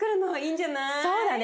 そうだね。